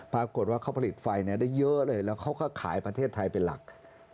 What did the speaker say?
ปรากฏว่าเขาผลิตไฟได้เยอะเลยแล้วเขาก็ขายประเทศไทยเป็นหลัก